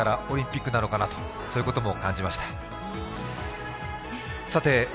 オリンピックなのかなということも感じました。